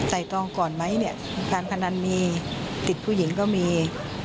ตองก่อนไหมเนี่ยการพนันมีติดผู้หญิงก็มี